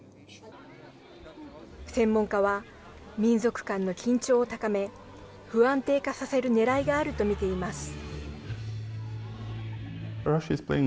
専門家は民族間の緊張を高め不安定化させるねらいがあると見ています。